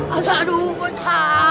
aduh aduh aduh aduh